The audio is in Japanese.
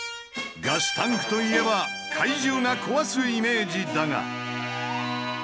ガスタンクといえば怪獣が壊すイメージだが。